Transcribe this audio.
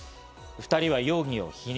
２人は容疑を否認。